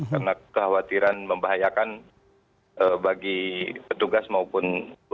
karena kekhawatiran membahayakan